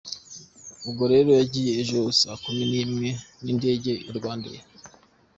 Ubwo rero yagiye ejo saa kumi n’imwe n’indege ya RwandAir.